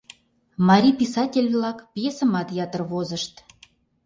Марий писатель-влак пьесымат ятыр возышт.